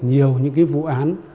nhiều những cái vụ án